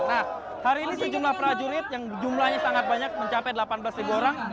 nah hari ini sejumlah prajurit yang jumlahnya sangat banyak mencapai delapan belas orang